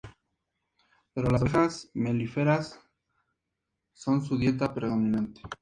Pero las abejas melíferas son su dieta predominante.